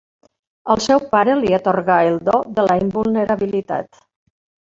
El seu pare li atorgà el do de la invulnerabilitat.